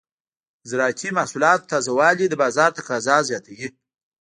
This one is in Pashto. د زراعتي محصولاتو تازه والي د بازار تقاضا زیاتوي.